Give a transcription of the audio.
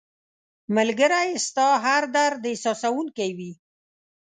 ملګری ستا هر درد احساسوونکی وي